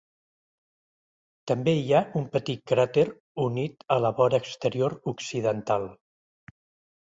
També hi ha un petit cràter unit a la vora exterior occidental.